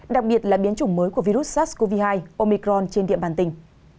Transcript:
đặc biệt là biến chủng mới của virus sars cov hai omicron trên địa bàn tỉnh